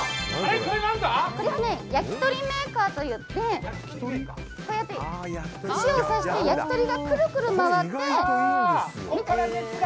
これは、焼き鳥メーカーといってこうやって串を刺して焼き鳥がくるくる回って。